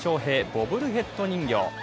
ボブルヘッド人形。